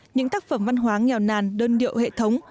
những tác phẩm văn hóa nghèo nàn đơn điệu hệ thống